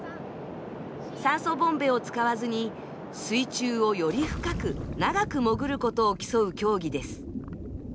酸素ボンベを使わずに、水中をより深く長く潜ることを競う競技です。